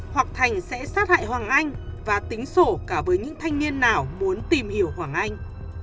hoặc thành sẽ sát hại hoàng anh và tính sổ cả với những thanh niên nào muốn tìm hiểu hoàng anh